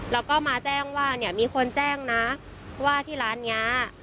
แล้วก็มาแจ้งว่าเนี่ยมีคนแจ้งนะว่าที่ร้านเนี้ย